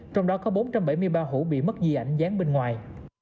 trong đó có bốn trăm bảy mươi ba hủ bị mất di ảnh dán bên ngoài